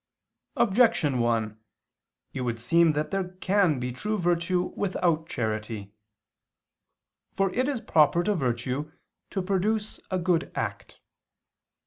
Objection 1: It would seem that there can be true virtue without charity. For it is proper to virtue to produce a good act.